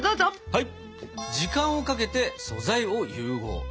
はい。